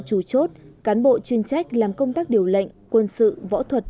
chủ chốt cán bộ chuyên trách làm công tác điều lệnh quân sự võ thuật